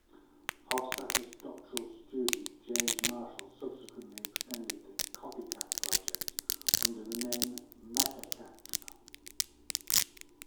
Hofstadter's doctoral student James Marshall subsequently extended the Copycat project under the name "Metacat".